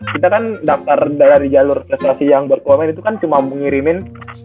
kita kan daftar dari jalur prestasi yang berkomen itu kan cuma mengiriminal